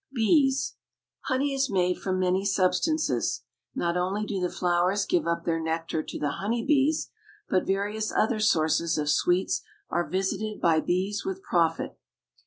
BEES. Honey is made from many substances. Not only do the flowers give up their nectar to the honey bees, but various other sources of sweets are visited by bees with profit.